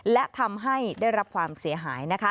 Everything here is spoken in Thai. และทำให้ได้รับความเสียหายนะคะ